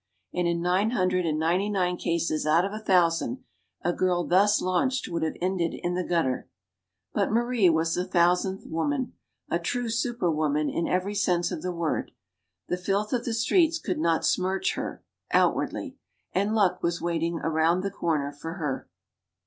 And in nine hundred and ninety nine cases out of a thousand, a girl thus launched would have ended in the gutter. But Marie was the thou sandth woman a true super woman, in every sense of the word. The filth of the streets could not smirch her outwardly. And luck was waiting around the corner for her.